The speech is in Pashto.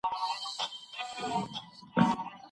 هر عمر مي شمارلی دی .